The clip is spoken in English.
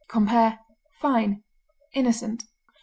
Compare FINE; INNOCENT.